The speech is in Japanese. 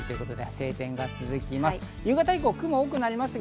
晴天が続きます。